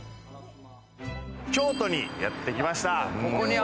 京都にやってきました。